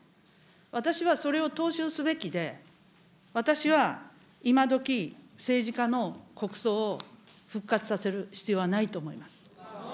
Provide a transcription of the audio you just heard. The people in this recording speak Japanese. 私はそれを踏襲すべきで、私は今どき、政治家の国葬を復活させる必要はないと思います。